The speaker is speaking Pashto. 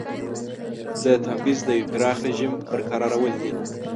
د تبعیض د یوه پراخ رژیم برقرارول دي.